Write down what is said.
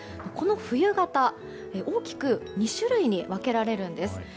この冬型、大きく２種類に分けられるんです。